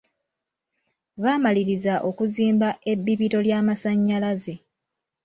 Baamalirizza okuzimba ebbibiro ly'amasannyalaze.